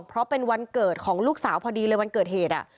เพราะเป็นวันเกิดของลูกสาวพอดีเลยวันเกิดเหตุ